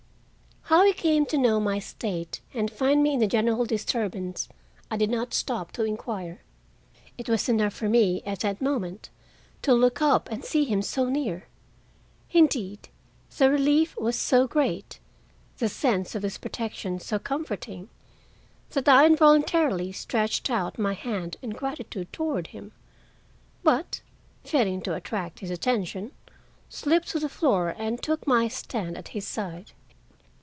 How he came to know my state and find me in the general disturbance I did not stop to inquire. It was enough for me at that moment to look up and see him so near. Indeed, the relief was so great, the sense of his protection so comforting that I involuntarily stretched out my hand in gratitude toward him, but, failing to attract his attention, slipped to the floor and took my stand at his side.